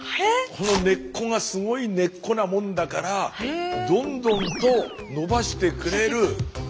この根っこがすごい根っこなもんだからどんどんと伸ばしてくれる。